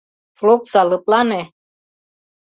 — Флокса, лыплане.